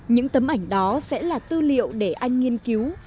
những tấm ảnh đó sẽ là tư liệu để anh nghiên cứu